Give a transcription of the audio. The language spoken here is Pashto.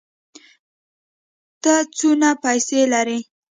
ته څونه پېسې لرې؟